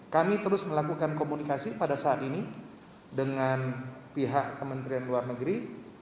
kami terus melakukan komunikasi pada saat ini dengan pihak kementerian luar negeri